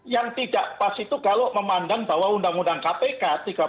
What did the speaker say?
yang tidak pas itu kalau memandang bahwa undang undang kpk